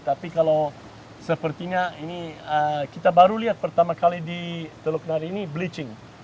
tapi kalau sepertinya ini kita baru lihat pertama kali di teluk nari ini bleaching